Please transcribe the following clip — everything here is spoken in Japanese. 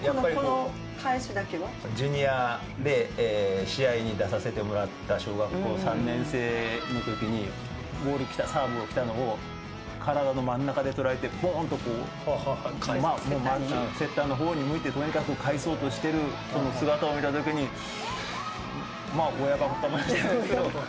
ジュニアで試合に出させてもらった小学校３年生の時にサーブで来たボールを体の真ん中で捉えてセッターの方に向いてとにかく返そうとしているその姿を見た時に親ばかかもしれないですけれど。